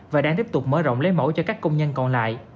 và đang tiếp tục mở rộng lấy mẫu cho các công nhân còn lại